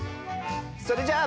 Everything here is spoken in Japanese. それじゃあ。